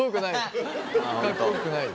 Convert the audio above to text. かっこよくないよ。